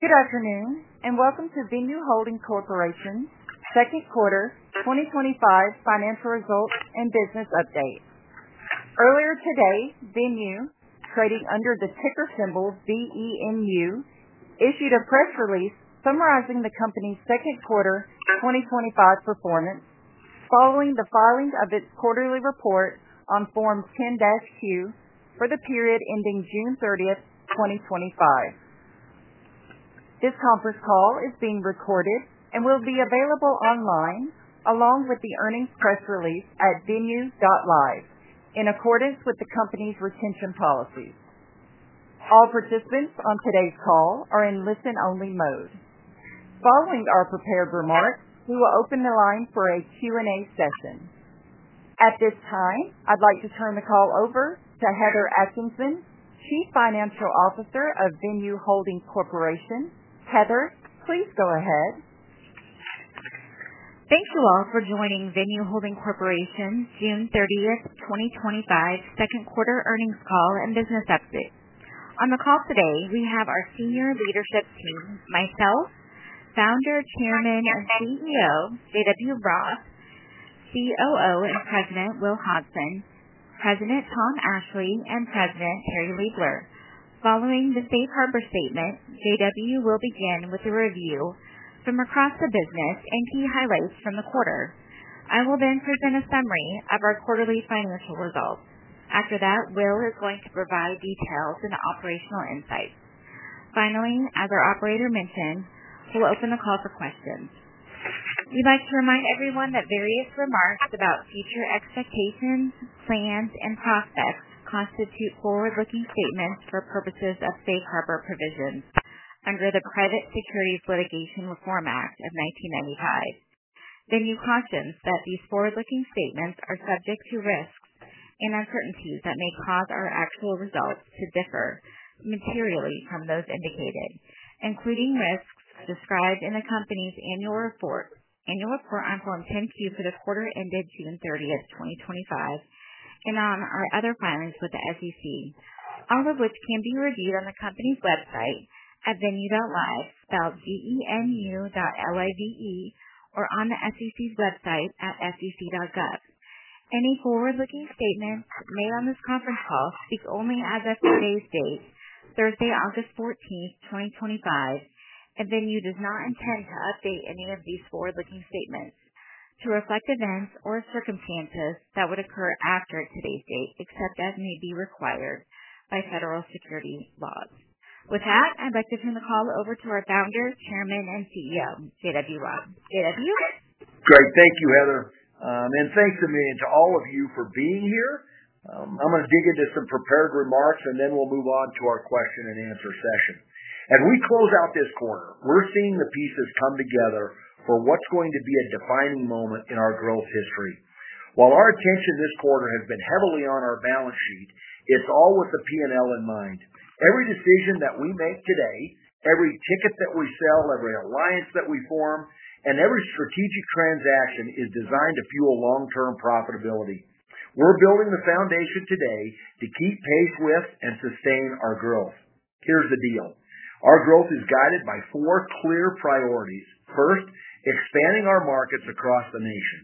Good afternoon and welcome to VENU Holding Corporation's Second Quarter 2025 Financial Results and Business Update. Earlier today, VENU, trading under the ticker symbol VENU, issued a press release summarizing the company's second quarter 2025 performance following the filing of its quarterly report on Form 10-Q for the period ending June 30th, 2025. This conference call is being recorded and will be available online along with the earnings press release at venu.live, in accordance with the company's retention policy. All participants on today's call are in listen-only mode. Following our prepared remarks, we will open the line for a Q&A session. At this time, I'd like to turn the call over to Heather Atkinson, Chief Financial Officer of VENU Holding Corporation. Heather, please go ahead. Thank you all for joining VENU Holding Corporation's June 30th, 2025, Second Quarter Earnings Call and Business Update. On the call today, we have our senior leadership team, myself, Founder, Chairman, and CEO JW Roth, COO and President Will Hodgson, President Tom Ashley, and President Terri Liebler. Following the safe harbor statement, JW will begin with a review from across the business and key highlights from the quarter. I will then present a summary of our quarterly financial results. After that, Will is going to provide details and operational insights. Finally, as our operator mentioned, we'll open the call for questions. We'd like to remind everyone that various remarks about future expectations, plans, and prospects constitute forward-looking statements for purposes of safe harbor provisions under the Private Securities Litigation Reform Act of 1995. VENU Holding Corporation cautions that these forward-looking statements are subject to risks and uncertainties that may cause our actual results to differ materially from those indicated, including risks described in the company's annual report, annual report on Form 10-Q for the quarter ended June 30th, 2025, and on our other filings with the SEC, all of which can be reviewed on the company's website at venu.live, spelled V-E-N-U dot L-I-V-E, or on the SEC's website at sec.gov. Any forward-looking statements made on this conference call speak only as of today's date, Thursday, August 14th, 2025, and VENU does not intend to update any of these forward-looking statements to reflect events or circumstances that would occur after today's date, except as may be required by federal securities laws. With that, I'd like to turn the call over to our Founder, Chairman, and CEO, JW Roth. JW? Great. Thank you, Heather. Thank you to me and to all of you for being here. I'm going to dig into some prepared remarks, and then we'll move on to our question and answer session. As we close out this quarter, we're seeing the pieces come together for what's going to be a defining moment in our growth history. While our attention this quarter has been heavily on our balance sheet, it's all with the P&L in mind. Every decision that we make today, every ticket that we sell, every alliance that we form, and every strategic transaction is designed to fuel long-term profitability. We're building the foundation today to keep pace with and sustain our growth. Here's the deal. Our growth is guided by four clear priorities. First, expanding our markets across the nation.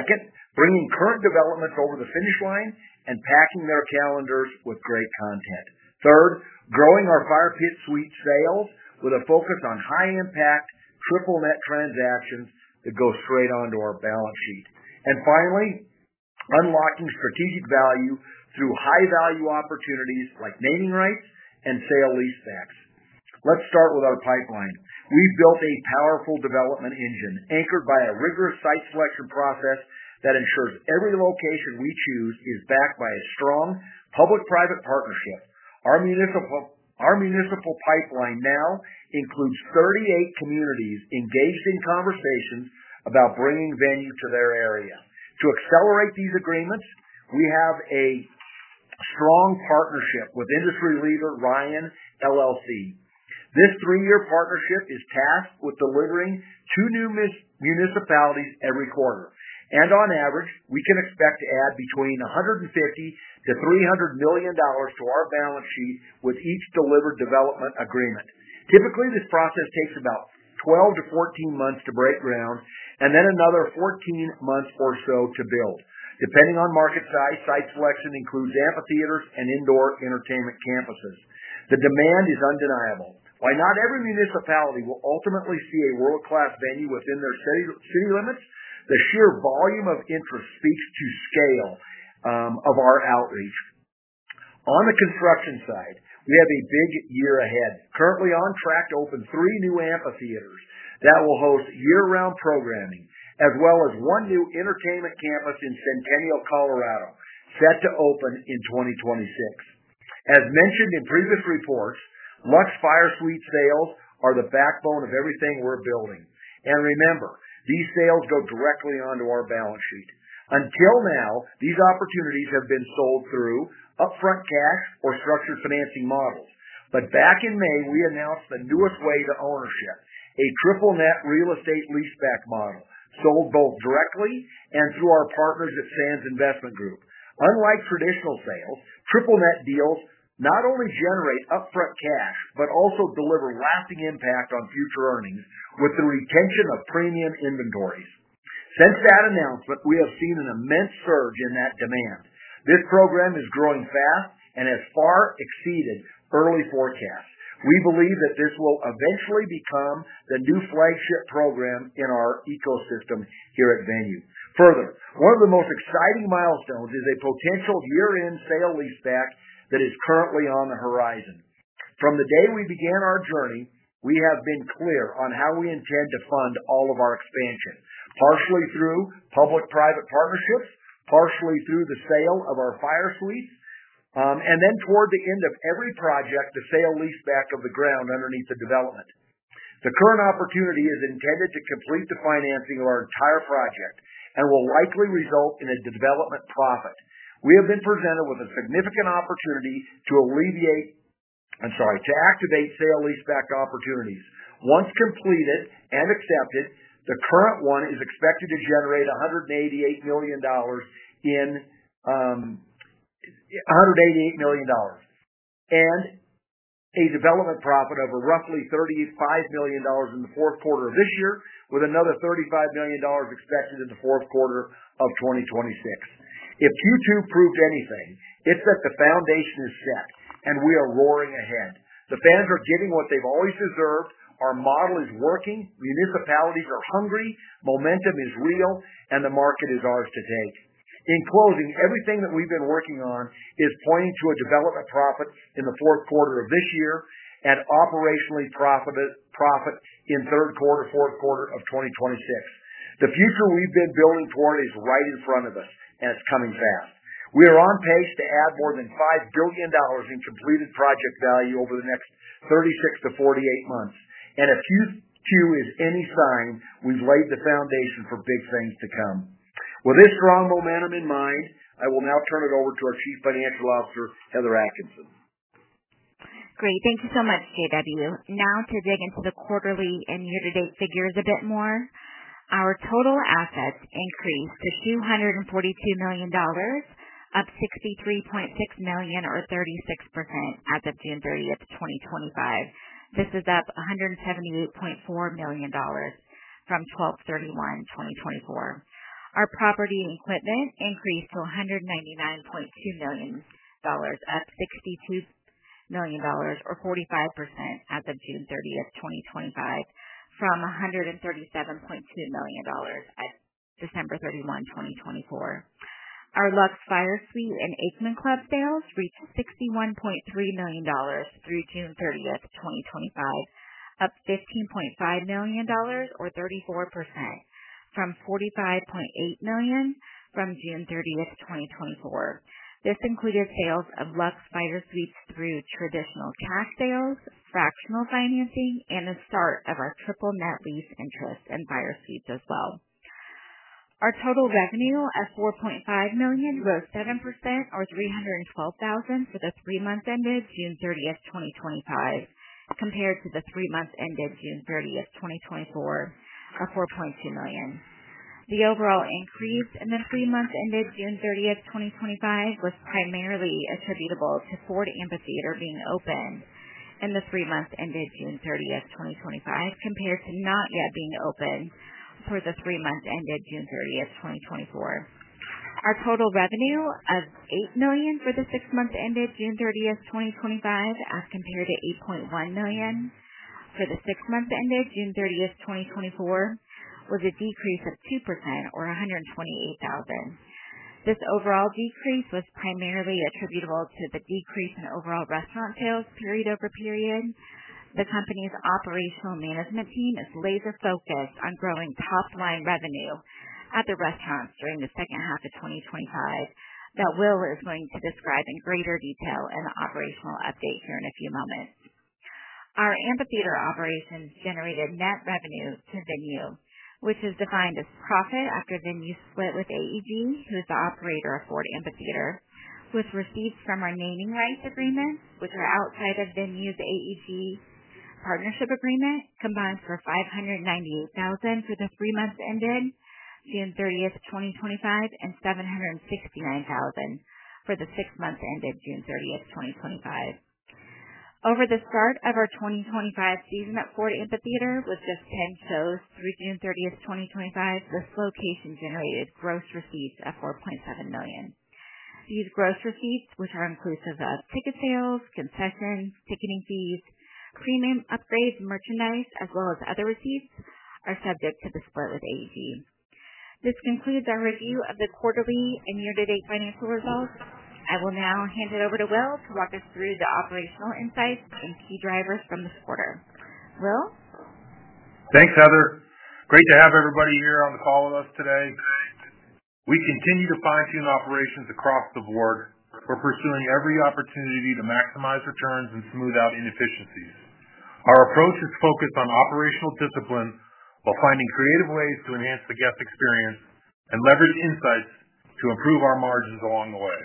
Second, bringing current developments over the finish line and packing their calendars with great content. Third, growing our Fire Pit Suite sales with a focus on high-impact, triple-net transactions that go straight onto our balance sheet. Finally, unlocking strategic value through high-value opportunities like naming rights and sale-leaseback setups. Let's start with our pipeline. We built a powerful development engine anchored by a rigorous site selection process that ensures every location we choose is backed by a strong public-private partnership. Our municipal pipeline now includes 38 communities engaged in conversations about bringing VENU to their area. To accelerate these agreements, we have a strong partnership with industry leader, Ryan LLC. This three-year partnership is tasked with delivering to new municipalities every quarter. On average, we can expect to add between $150 million-$300 million to our balance sheet with each delivered development agreement. Typically, this process takes about 12 months-14 months to break ground and then another 14 months or so to build. Depending on market size, site selection includes amphitheaters and indoor entertainment campuses. The demand is undeniable. While not every municipality will ultimately see a world-class VENU within their city limits, the sheer volume of interest speaks to the scale of our outreach. On the construction side, we have a big year ahead. Currently on track to open three new amphitheaters that will host year-round programming, as well as one new entertainment campus in Centennial, Colorado, set to open in 2026. As mentioned in previous reports, Luxe FireSuite sales are the backbone of everything we're building. Remember, these sales go directly onto our balance sheet. Until now, these opportunities have been sold through upfront cash or structured financing models. Back in May, we announced the newest way to ownership, a triple-net real estate leaseback model, sold both directly and through our partners at Sands Investment Group. Unlike traditional sales, triple-net deals not only generate upfront cash but also deliver lasting impact on future earnings with the retention of premium inventories. Since that announcement, we have seen an immense surge in that demand. This program is growing fast and has far exceeded early forecasts. We believe that this will eventually become the new flagship program in our ecosystem here at VENU. Further, one of the most exciting milestones is a potential year-end sale-leaseback that is currently on the horizon. From the day we began our journey, we have been clear on how we intend to fund all of our expansions, partially through public-private partnerships, partially through the sale of our FireSuites, and then toward the end of every project, the sale-leaseback of the ground underneath the development. The current opportunity is intended to complete the financing of our entire project and will likely result in a development profit. We have been presented with a significant opportunity to activate sale-leaseback opportunities. Once completed and accepted, the current one is expected to generate $188 million and a development profit of roughly $35 million in the fourth quarter of this year, with another $35 million expected in the fourth quarter of 2026. If Q2 proves anything, it's that the foundation is set and we are roaring ahead. The fans are getting what they've always deserved. Our model is working. Municipalities are hungry. Momentum is real, and the market is ours to take. In closing, everything that we've been working on is pointing to a development profit in the fourth quarter of this year and operationally profit in third quarter, fourth quarter of 2026. The future we've been building toward is right in front of us and it's coming fast. We are on pace to add more than $5 billion in completed project value over the next 36 months-48 months. If Q2 is any sign, we've laid the foundation for big things to come. With this strong momentum in mind, I will now turn it over to our Chief Financial Officer, Heather Atkinson. Great. Thank you so much, JW. Now to dig into the quarterly and year-to-date figures a bit more. Our total assets increased to $242 million, up $63.6 million or 36% as of June 30th, 2025. This is up $178.4 million from 12/31/2024. Our property and equipment increased to $199.2 million, up $62 million or 45% as of June 30th, 2025, from $137.2 million as of December 31, 2024. Our Luxe FireSuite and Aikman Club sales reached $61.3 million through June 30th, 2025, up $15.5 million or 34% from $45.8 million from June 30th, 2024. This included sales of Luxe FireSuites through traditional cash sales, fractional financing, and a start of our triple-net lease interest in FireSuites as well. Our total revenue of $4.5 million rose 7% or $312,000 for the three months ended June 30, 2025, compared to the three months ended June 30th, 2024, of $4.2 million. The overall increase in the three months ended June 30th, 2025 was primarily attributable to Ford Amphitheater being open in the three months ended June 30th, 2025, compared to not yet being open for the three months ended June 30th, 2024. Our total revenue of $8 million for the six months ended June 30th, 2025, as compared to $8.1 million for the six months ended June 30th, 2024, was a decrease of 2% or $128,000. This overall decrease was primarily attributable to the decrease in overall restaurant sales period over period. The company's operational management team is laser-focused on growing top-line revenue at the restaurants during the second half of 2025 that Will is going to describe in greater detail in the operational update here in a few moments. Our amphitheater operations generated net revenue to VENU, which is defined as profit after VENU split with AEG, who is the operator of Ford Amphitheater, with receipts from our naming rights agreement, which are outside of VENU's AEG partnership agreement, combined for $598,000 for the three months ended June 30th, 2025, and $769,000 for the six months ended June 30th, 2025. Over the start of our 2025 season at Ford Amphitheater with just 10 shows through June 30th, 2025, the slow pace generated gross receipts of $4.7 million. These gross receipts, which are inclusive of ticket sales, concessions, ticketing fees, premium upgrades, merchandise, as well as other receipts, are subject to the split with AEG. This concludes our review of the quarterly and year-to-date financial results. I will now hand it over to Will to walk us through the operational insights and key drivers from this quarter. Will? Thanks, Heather. Great to have everybody here on the call with us today. We continue to fine-tune operations across the board. We're pursuing every opportunity to maximize returns and smooth out inefficiencies. Our approach is focused on operational discipline while finding creative ways to enhance the guest experience and leverage insights to improve our margins along the way.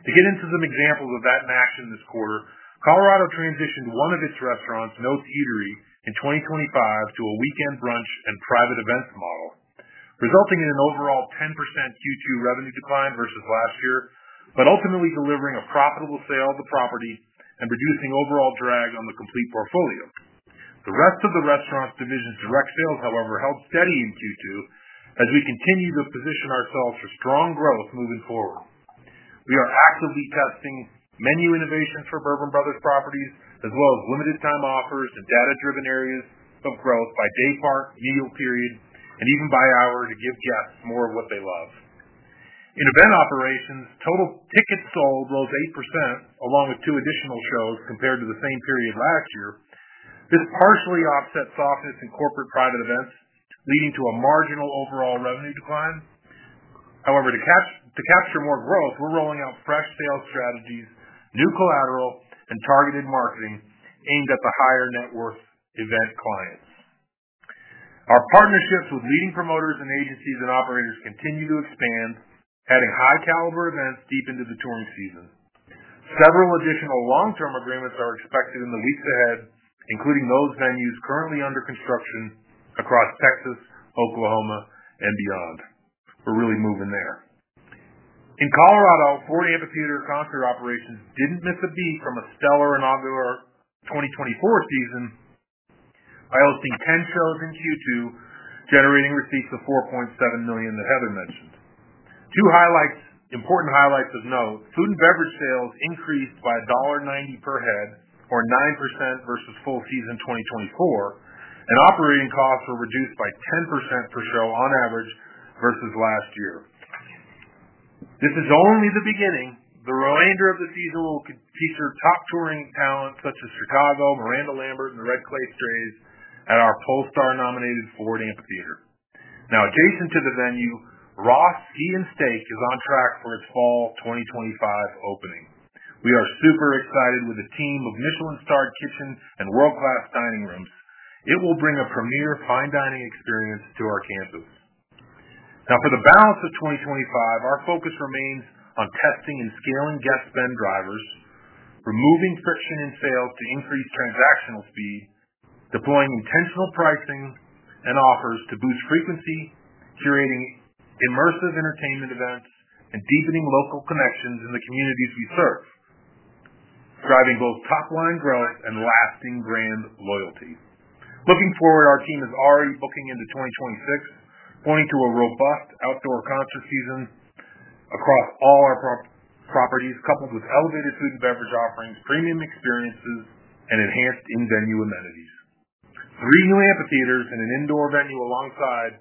To get into some examples of that in action this quarter, Colorado transitioned one of its restaurants, Notes Eatery, in 2025 to a weekend brunch and private events model, resulting in an overall 10% Q2 revenue decline versus last year, but ultimately delivering a profitable sale of the property and reducing overall drag on the complete portfolio. The rest of the restaurant division's direct sales, however, held steady in Q2 as we continue to position ourselves for strong growth moving forward. We are actively testing menu innovations for Bourbon Brothers' properties, as well as limited-time offers and data-driven areas of growth by day part, annual period, and even by hour to give guests more of what they love. In event operations, total tickets sold rose 8% along with two additional shows compared to the same period last year. This partially offset softness in corporate private events, leading to a marginal overall revenue decline. However, to capture more growth, we're rolling out fresh sales strategies, new collateral, and targeted marketing aimed at the higher net worth event clients. Our partnerships with leading promoters and agencies and operators continue to expand, adding high-caliber events deep into the touring season. Several additional long-term agreements are expected in the weeks ahead, including those VENU's currently under construction across Texas, Oklahoma, and beyond. We're really moving there. In Colorado, Ford Amphitheater concert operations didn't miss a beat from a stellar inaugural 2024 season, I think 10 shows in Q2, generating receipts of $4.7 million that Heather mentioned. Two important highlights of note: food and beverage sales increased by $1.90 per head or 9% versus full season 2024, and operating costs were reduced by 10% per show on average versus last year. This is only the beginning. The remainder of the season will feature top touring talent such as Chicago, Miranda Lambert, and the Red Clay Strays at our Pollstar-nominated Ford Amphitheater. Now, adjacent to the VENU, Roth's Sea & Steak is on track for its fall 2025 opening. We are super excited with a team of Michelin-starred kitchens and world-class dining rooms. It will bring a premiere fine dining experience to our campus. Now, for the balance of 2025, our focus remains on testing and scaling guest spend drivers, removing friction in sales to increase transactional speed, deploying intentional pricing and offers to boost frequency, curating immersive entertainment events, and deepening local connections in the communities we serve, driving both top-line growth and lasting brand loyalty. Looking forward, our team is already booking into 2026, pointing to a robust outdoor concert season across all our properties, coupled with elevated food and beverage offerings, premium experiences, and enhanced in-venue amenities. Three new amphitheatres and an indoor VENU alongside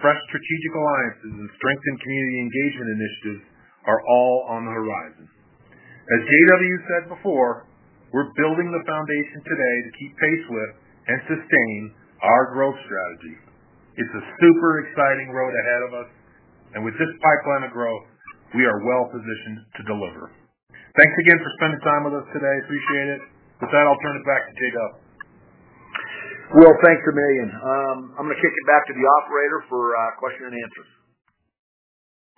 fresh strategic alliances and strengthened community engagement initiatives are all on the horizon. As JW said before, we're building the foundation today to keep pace with and sustain our growth strategy. It's a super exciting road ahead of us, and with this pipeline of growth, we are well-positioned to deliver. Thanks again for spending time with us today. I appreciate it. With that, I'll turn it back to JW. Will, thanks a million. I'm going to kick it back to the operator for question and answers.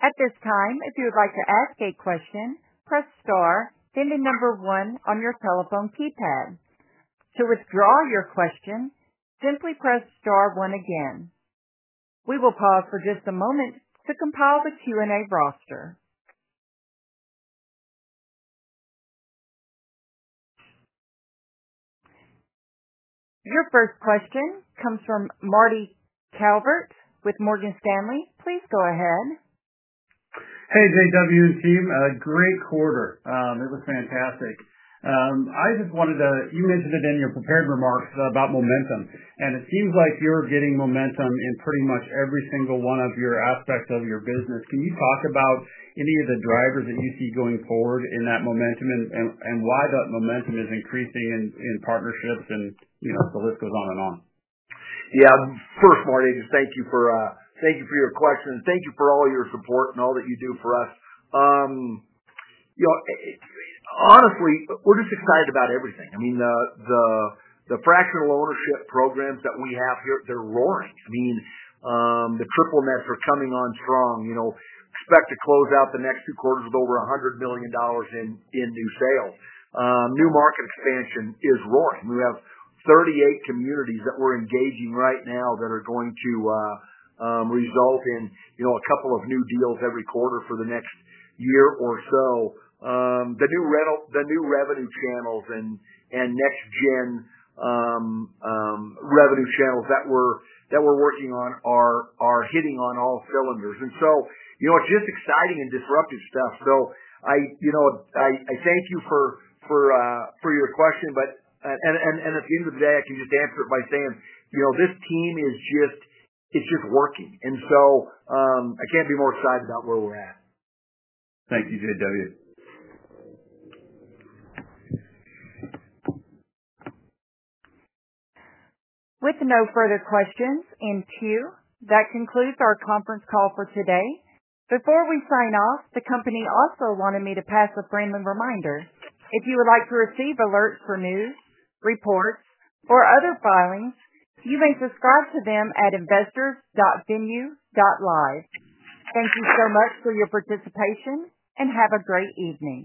At this time, if you would like to ask a question, press star then the number one on your telephone keypad. To withdraw your question, simply press star one again. We will pause for just a moment to compile the Q&A roster. Your first question comes from Marty Calvert with Morgan Stanley. Please go ahead. Hey, JW and team. A great quarter. It was fantastic. I just wanted to, you mentioned it in your prepared remarks about momentum, and it seems like you're getting momentum in pretty much every single one of your aspects of your business. Can you talk about any of the drivers that you see going forward in that momentum and why that momentum is increasing in partnerships and, you know, the list goes on and on? Yeah, of course, Marty. Thank you for your questions. Thank you for all your support and all that you do for us. Honestly, we're just excited about everything. I mean, the fractional ownership programs that we have here, they're roaring. The triple nets are coming on strong. You know, expect to close out the next two quarters with over $100 million in new sales. New market expansion is roaring. We have 38 communities that we're engaging right now that are going to result in a couple of new deals every quarter for the next year or so. The new revenue channels and next-gen revenue channels that we're working on are hitting on all cylinders. It is just exciting and disruptive stuff. I thank you for your question, and at the end of the day, I can just answer it by saying this team is just, it's just working. I can't be more excited about where we're at. Thank you, JW. With no further questions in queue, that concludes our conference call for today. Before we sign off, the company also wanted me to pass a friendly reminder. If you would like to receive alerts for news, reports, or other filings, you may subscribe to them at investors.venu.live. Thank you so much for your participation and have a great evening.